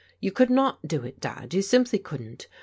You could not do it. Dad, you simply couldn't.